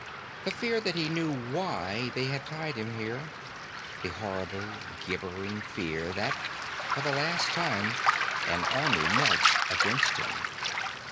The fear that he knew why they had tied him here. The horrible, gibbering fear that, for the last time, an army marched against him.